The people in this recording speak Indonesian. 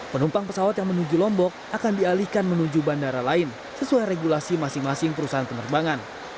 penumpang pesawat yang menuju lombok akan dialihkan menuju bandara lain sesuai regulasi masing masing perusahaan penerbangan